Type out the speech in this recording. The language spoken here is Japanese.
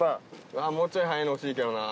わぁもうちょい早いの欲しいけどなぁ。